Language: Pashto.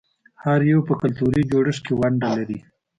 هر یو په کلتوري جوړښت کې ونډه لري.